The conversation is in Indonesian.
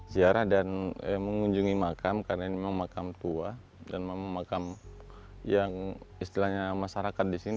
ziarah dan mengunjungi makam karena ini memang makam tua dan makam yang istilahnya masyarakat di sini